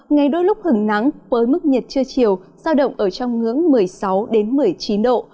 ngay đôi lúc hứng nắng với mức nhiệt chưa chiều giao động ở trong ngưỡng một mươi sáu đến một mươi chín độ